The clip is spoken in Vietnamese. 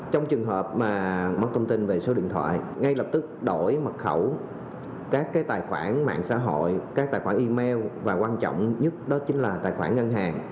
trong trường hợp mà mất thông tin về số điện thoại ngay lập tức đổi mật khẩu các tài khoản mạng xã hội các tài khoản email và quan trọng nhất đó chính là tài khoản ngân hàng